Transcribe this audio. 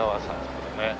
これね。